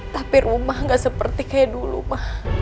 tapi rumah nggak seperti kayak dulu ma